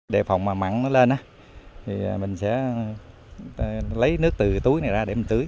để phòng mà mặn nó lên mình sẽ lấy nước từ túi này ra